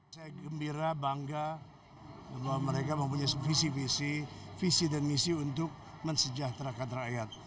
saya gembira bangga bahwa mereka mempunyai visi visi visi dan misi untuk mensejahterakan rakyat